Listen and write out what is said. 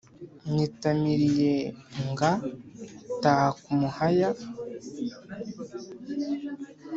nyitamiriye nga taha kumuhaya.